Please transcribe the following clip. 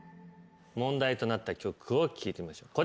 問題となった曲を聴いてみましょう。